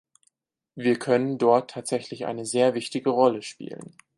Wir können dort tatsächlich eine sehr wichtige Rolle spielen.